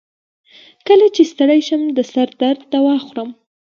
کله چې ستړی شم، د سر درد دوا خورم.